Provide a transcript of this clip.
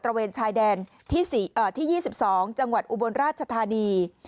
เวนชายแดนที่๒๒จังหวัดอุบลราชธานี